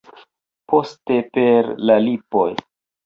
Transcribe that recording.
Poste per la lipoj.